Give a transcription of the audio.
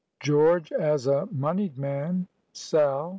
GEORGE AS A MONEYED MAN.—SAL.